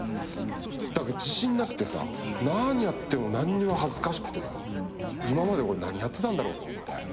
だけど自信なくてさ何やっても恥ずかしくてさ今まで俺何やってたんだろうと思って。